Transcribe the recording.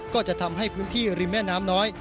ก็จะทำให้พื้นที่ริมแม่น้ำน้อย